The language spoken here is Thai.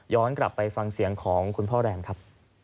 กลับไปฟังเสียงของคุณพ่อแรมครับ